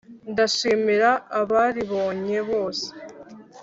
ndashimira abaribonye bose